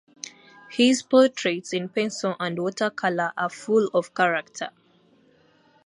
His portraits in pencil and water-colour are full of character.